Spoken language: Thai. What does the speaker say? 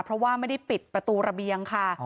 เพราะว่าไม่ได้ปิดประตูระเบียงค่ะ